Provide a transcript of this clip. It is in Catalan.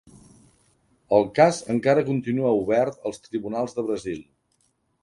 El cas encara continua obert als tribunals de Brasil.